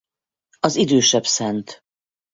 Az Idősebb Szt.